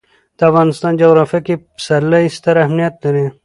د افغانستان جغرافیه کې پسرلی ستر اهمیت لري.